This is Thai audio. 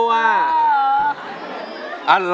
หนูไม่ถนัดเพลงเร็ว